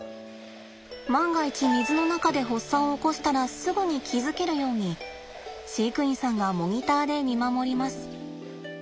万が一水の中で発作を起こしたらすぐに気づけるように飼育員さんがモニターで見守ります。